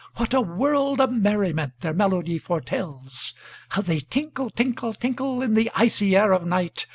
What a world of merriment their melody foretells! How they tinkle, tinkle, tinkle, In the icy air of night!